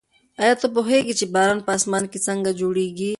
ایا ته پوهېږې چې باران په اسمان کې څنګه جوړېږي؟